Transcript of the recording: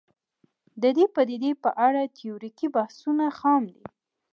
د دې پدیدې په اړه تیوریکي بحثونه خام دي